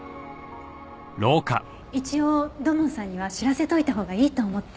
一応土門さんには知らせておいたほうがいいと思って。